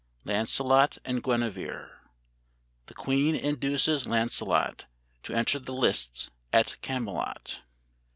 "LANCELOT AND GUINEVERE. THE QUEEN INDUCES LANCELOT TO ENTER THE LISTS AT CAMELOT."